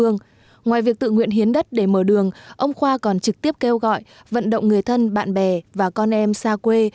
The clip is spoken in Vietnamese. ngoài việc tự nguyện hiến đất để mở đường ông khoa còn trực tiếp kêu gọi vận động người thân bạn bè và con em xa quê